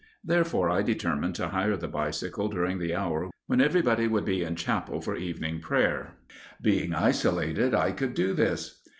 Therefore I determined to hire the bicycle during the hour when everybody would be in chapel for evening prayer. Being isolated I could do this.